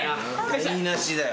台無しだよ。